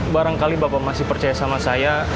barangkali bapak masih percaya sama saya